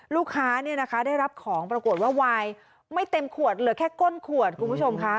ลูกค้าได้รับของปรากฏว่าวายไม่เต็มขวดเหลือแค่ก้นขวดคุณผู้ชมค่ะ